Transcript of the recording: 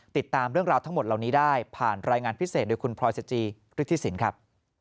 ติดตามเรื่องราวทั้งหมดเหล่านี้ได้ผ่านรายงานพิเศษโดยคุณพลอยสจีฤทธิสินครับ